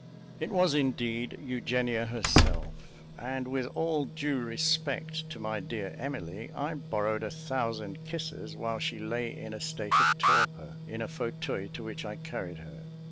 It was, indeed, Eugenia, herself; and with all due respect to my dear Emily, I borrowed a thousand kisses while she lay in a state of torpor, in a fauteuil to which I carried her.